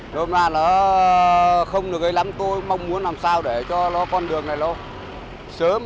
hôm nay nó không được ấy lắm tôi mong muốn làm sao để cho con đường này nó sớm